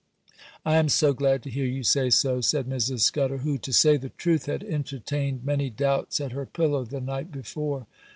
'I am so glad to hear you say so,' said Mrs. Scudder, who, to say the truth, had entertained many doubts at her pillow the night before.